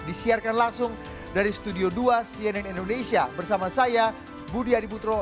disiarkan langsung dari studio dua cnn indonesia bersama saya budi adiputro